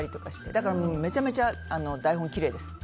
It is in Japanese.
だから、めちゃめちゃ台本はきれいです。